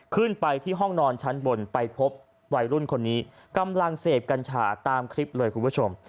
ขึ้นไปที่ห้องนอนชั้นบนไปพบวัยรุ่นคนนี้กำลังเสพกัญชาตามคลิปเลยคุณผู้ชม